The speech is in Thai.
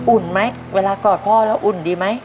อุ่นไหมเวลากอดพ่อแล้วอุ่นดีไหม